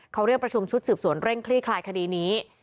เขาเรียกประชุมชุดสืบสวนเร่งคลี่คลายคดีนี้